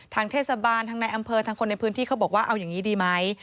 ทางเทศบาลทั้งในอำเภอทางคนในพื้นที่เขาบอกว่าเอาอย่างนี้ดีไหม